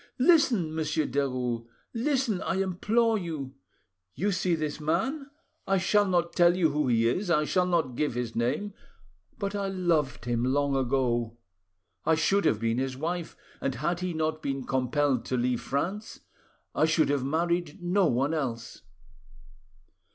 Listen, Monsieur Derues, listen, I implore you! You see this man, I shall not tell you who he is, I shall not give his name ... but I loved him long ago; I should have been his wife, and had he not been compelled to leave France, I should have married no one else.